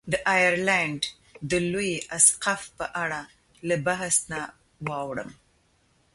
د ایرلنډ د لوی اسقف په اړه له بحث نه واوړم.